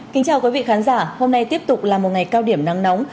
kính chào quý vị khán giả hôm nay tiếp tục là một ngày cao điểm nắng nóng